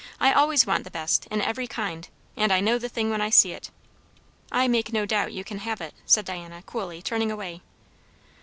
I always want the best, in every kind; and I know the thing when I see it." "I make no doubt you can have it," said Diana coolly, turning away.